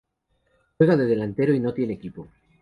Juega de delantero y no tiene equipo.